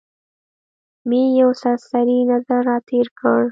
مې یو سرسري نظر را تېر کړ.